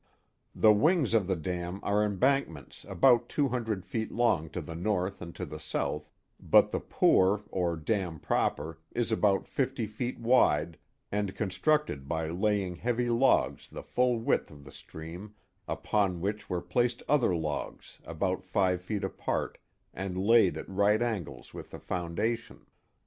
The wings of the dam are embankments about two hun dred feet long to the north and to the south, but the pour, or dam proper, is about fifty feet wide, and constructed by laying heavy logs the full width of the stream, upon which were placed other logs about five feet apart and laid at right angles with the foundation.